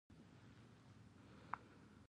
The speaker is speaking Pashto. یو سل او پنځلسمه پوښتنه د تقدیرنامو امتیازات دي.